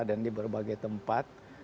dan di berbagai tempat